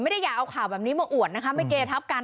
ไม่ได้อยากเอาข่าวแบบนี้มาอวดนะคะไม่เกลียดทับกัน